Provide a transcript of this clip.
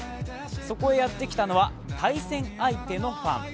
そこへやって来たのは対戦相手のファン。